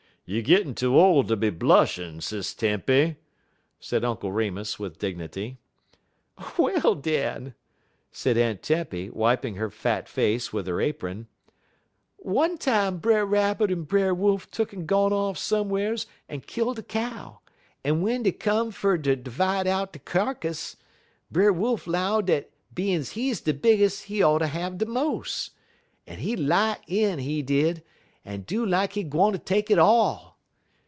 "You gittin' too ole ter be blushin', Sis Tempy," said Uncle Remus with dignity. "Well den," said Aunt Tempy, wiping her fat face with her apron: "One time Brer Rabbit un Brer Wolf tuck'n gone off som'ers un kilt a cow, un w'en dey come fer ter 'vide out de kyarkiss, Brer Wolf 'low dat bein's he de biggest he oughter have de mos', un he light in, he did, un do like he gwine ter take it all.